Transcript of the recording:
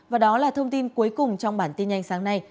và đó là thông tin cuối cùng trong bản tin nhanh sáng nay